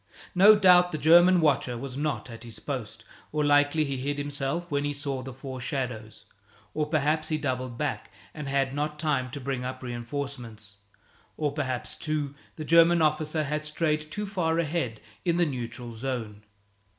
No doubt the German watcher was not at his post, or likely he hid himself when he saw the four shadows, or perhaps be doubled back and had not time to bring up reinforcements. Or perhaps, too, the German officer had strayed too far ahead in the neutral zone.